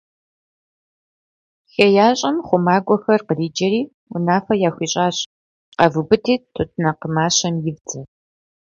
ХеящӀэм хъумакӀуэхэр къриджэри унафэ яхуищӀащ: - Къэвубыди, тутнакъ мащэм ивдзэ!